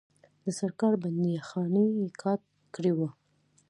د سرکار بندیخانې یې کاټ کړي وه.